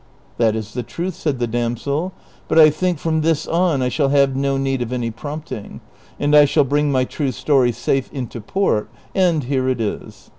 " That is the truth," said the damsel ;" but I think from this on I shall have no need of any i)romi)ting, and I shall bring my true story safe into port, and here it is.